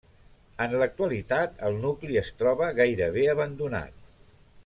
En l'actualitat el nucli es troba gairebé abandonat.